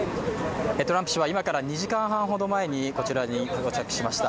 トランプ氏は今から２時間ほど前にこちらに到着しました。